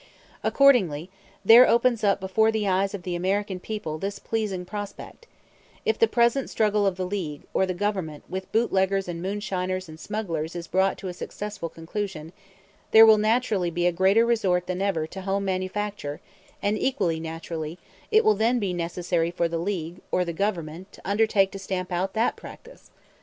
Accordingly, there opens up before the eyes of the American people this pleasing prospect: If the present struggle of the League (or the Government) with bootleggers and moonshiners and smugglers is brought to a successful conclusion, there will naturally be a greater resort than ever to home manufacture; and equally naturally, it will then be necessary for the League (or the Government) to undertake to stamp out that practice.